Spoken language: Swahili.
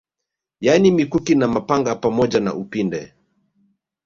Yani mikuki na mapanga pamoja na upinde